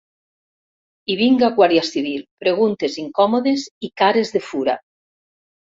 I vinga guàrdia civil, preguntes incòmodes i cares de fura.